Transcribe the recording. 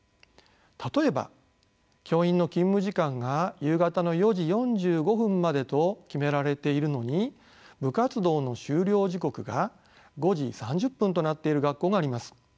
例えば教員の勤務時間が夕方の４時４５分までと決められているのに部活動の終了時刻が５時３０分となっている学校があります。